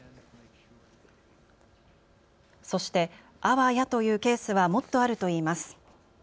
そして、あわやというケースはもっとあるといいます。